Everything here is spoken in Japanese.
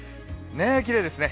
きれいですね。